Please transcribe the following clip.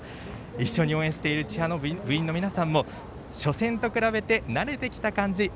一緒に応援しているチアの部員の皆さんも初戦と比べて慣れてきた感じ